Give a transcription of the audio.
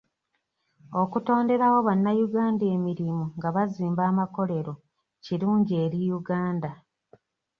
Okutonderawo bannayuganda emirimu nga bazimba amakolero kirungi eri Uganda.